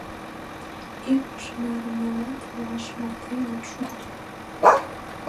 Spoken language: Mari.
Ик пашадарым налат — ваш марте от шукто.